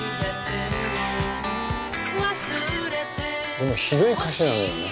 でもひどい歌詞なのよね。